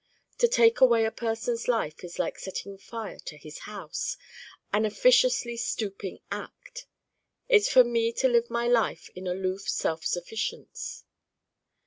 To take away a person's life is like setting fire to his house an officiously stooping act. It's for me to live my life in aloof self sufficience.